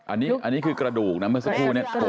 อันนี้คือกระดูกนะเมื่อสักครู่เนี่ย